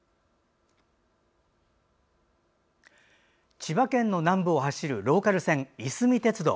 千葉県の南部を走るローカル線いすみ鉄道。